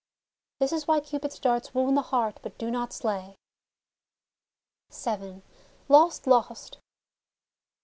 This is why Cupid's darts wound the heart, but do not slay. vn LOST! LOST!